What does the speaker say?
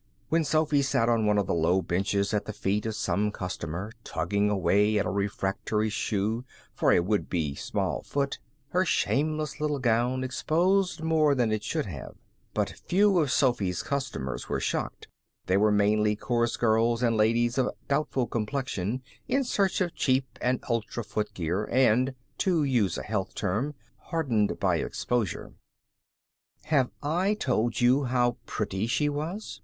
When Sophy sat on one of the low benches at the feet of some customer, tugging away at a refractory shoe for a would be small foot, her shameless little gown exposed more than it should have. But few of Sophy's customers were shocked. They were mainly chorus girls and ladies of doubtful complexion in search of cheap and ultra footgear, and to use a health term hardened by exposure. Have I told you how pretty she was?